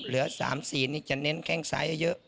เหลือ๓๔นี่จะเน้นแข้งซ้ายเยอะ